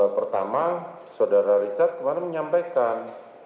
pertama saudara richard kemarin menyampaikan